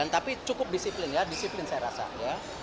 tapi cukup disiplin disiplin saya rasa